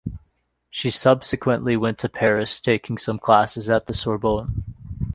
She subsequently went to Paris, taking some classes at the Sorbonne.